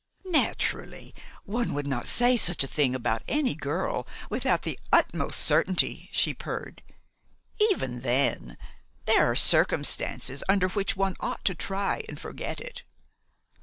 "Naturally, one would not say such a thing about any girl without the utmost certainty," she purred. "Even then, there are circumstances under which one ought to try and forget it.